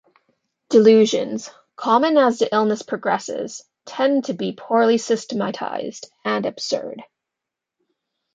Delusions, common as the illness progresses, tend to be poorly systematized and absurd.